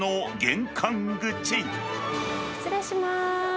失礼します。